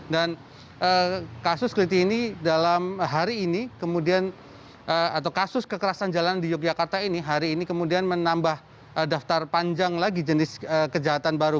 dan kasus klitih ini dalam hari ini kemudian atau kasus kekerasan jalanan di yogyakarta ini hari ini kemudian menambah daftar panjang lagi jenis kejahatan baru